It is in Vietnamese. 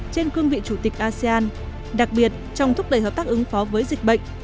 trên cương vị chủ tịch asean đặc biệt trong thúc đẩy hợp tác ứng phó với dịch bệnh